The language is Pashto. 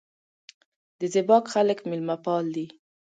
د زیباک خلک میلمه پال دي